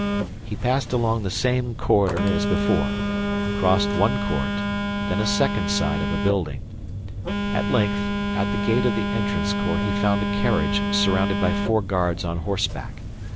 He passed along the same corridor as before, crossed one court, then a second side of a building; at length, at the gate of the entrance court he found a carriage surrounded by four guards on horseback.